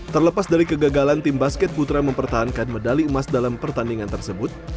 terlepas dari kegagalan tim basket putra mempertahankan medali emas dalam pertandingan tersebut